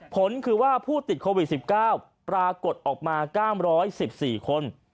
ผลคือว่าผู้ติดโควิด๑๙ปรากฏออกมา๙๑๔คน